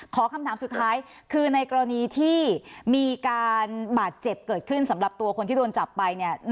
คำถามสุดท้ายคือในกรณีที่มีการบาดเจ็บเกิดขึ้นสำหรับตัวคนที่โดนจับไปเนี่ย